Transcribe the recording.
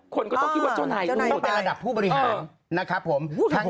คนก็ต้องคิดว่าเจ้านายต้องอยู่ในระดับผู้บริหารนะครับผม